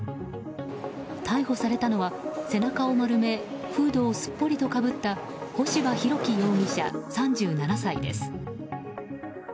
逮捕されたのは背中を丸めフードをすっぽりとかぶった干場広樹容疑者、３７歳です。